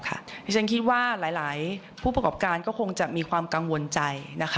ดิฉันคิดว่าหลายผู้ประกอบการก็คงจะมีความกังวลใจ